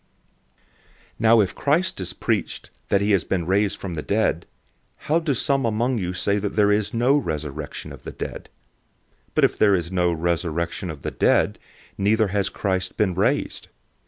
015:012 Now if Christ is preached, that he has been raised from the dead, how do some among you say that there is no resurrection of the dead? 015:013 But if there is no resurrection of the dead, neither has Christ been raised.